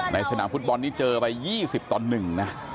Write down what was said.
สนามฟุตบอลนี่เจอไป๒๐ต่อ๑นะ